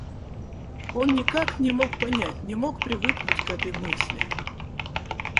Он никак не мог понять, не мог привыкнуть к этой мысли.